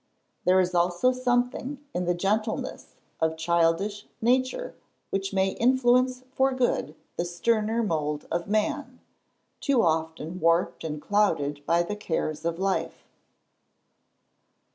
There is also something in the gentleness of childish nature which may influence for good the sterner mould of man, too often warped and clouded by the cares of life.